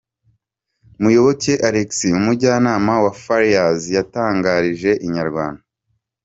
Muyoboke Alex umujyanama wa Farious yatangarije Inyarwanda.